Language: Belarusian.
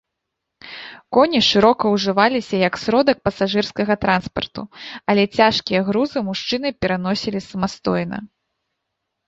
Коні шырока ўжываліся як сродак пасажырскага транспарту, але цяжкія грузы мужчыны пераносілі самастойна.